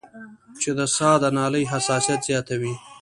چې د ساه د نالۍ حساسيت زياتوي